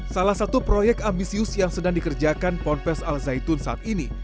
salah satu proyek ambisius yang sedang dikerjakan ponpes al zaitun saat ini